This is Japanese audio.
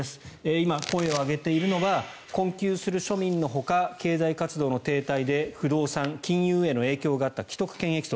今、声を上げているのは困窮する庶民のほか経済活動の停滞で不動産金融への影響があった既得権益層